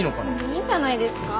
いいんじゃないですか？